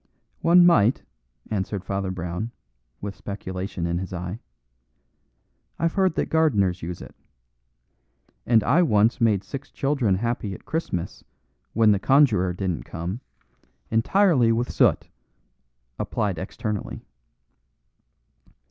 "One might," answered Brown, with speculation in his eye. "I've heard that gardeners use it. And I once made six children happy at Christmas when the conjuror didn't come, entirely with soot applied externally."